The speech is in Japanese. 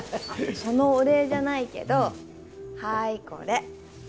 そのお礼じゃないけどはいこれ。